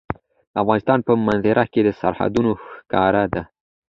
د افغانستان په منظره کې سرحدونه ښکاره ده.